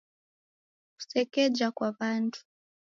Kusekeja kwa w'andu.